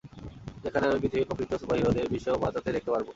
যেখানে আমি পৃথিবীর প্রকৃত সুপারহিরোদের বিশ্ব বাঁচাতে দেখতে পারব?